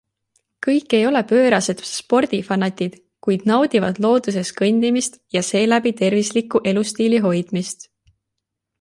Kõik ei ole pöörased spordifanatid, kuid naudivad looduses kõndimist ja seeläbi tervisliku elustiili hoidmist.